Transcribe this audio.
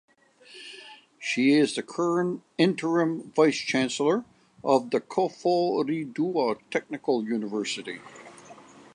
She is the current interim Vice Chancellor of the Koforidua Technical University.